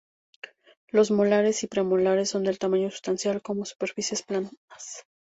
Los molares y premolares son de tamaño sustancial, con superficies planas.